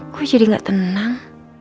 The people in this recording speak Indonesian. kok jadi gak tenang